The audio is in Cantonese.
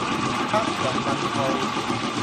黑人問號